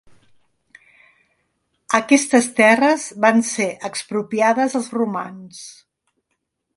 Aquestes terres van ser expropiades als romans.